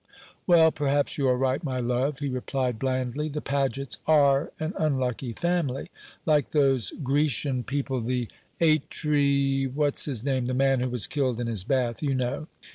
"Well, perhaps you are right, my love," he replied blandly; "the Pagets are an unlucky family. Like those Grecian people, the Atri , what's his name the man who was killed in his bath, you know.